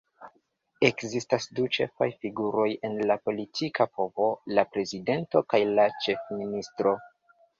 Ekzistas du ĉefaj figuroj en la politika povo: la prezidento kaj la ĉefministro.